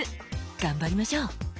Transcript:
頑張りましょう！